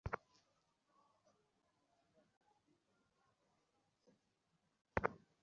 আমি যে তোমাকে কতটা মিস করেছি।